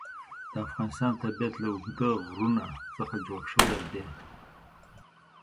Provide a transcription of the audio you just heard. د افغانستان طبیعت له اوږده غرونه څخه جوړ شوی دی.